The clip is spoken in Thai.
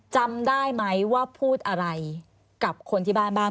จำได้ไหมว่าพูดอะไรกับคนที่บ้านบ้าง